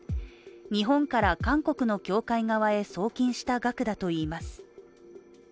日本から韓国の教会側へ送金した額だといいます。